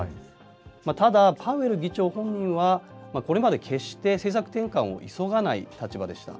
ただ、パウエル議長本人はこれまで決して政策転換を急がない立場でした。